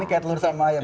ini kayak telur sama ayam